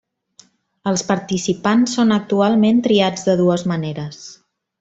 Els participants són actualment triats de dues maneres.